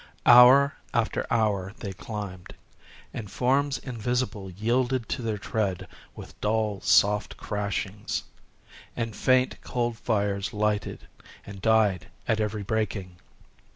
Hour after hour they climbed;—and forms invisible yielded to their tread with dull soft crashings;—and faint cold fires lighted and died at every breaking.